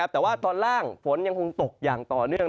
แต่ว่าตอนล่างฝนยังคงตกอย่างต่อเนื่อง